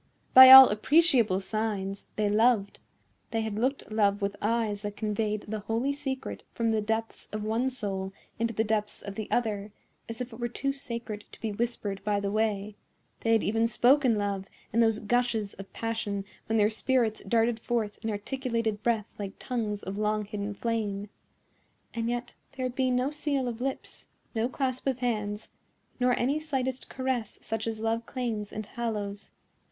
By all appreciable signs, they loved; they had looked love with eyes that conveyed the holy secret from the depths of one soul into the depths of the other, as if it were too sacred to be whispered by the way; they had even spoken love in those gushes of passion when their spirits darted forth in articulated breath like tongues of long hidden flame; and yet there had been no seal of lips, no clasp of hands, nor any slightest caress such as love claims and hallows.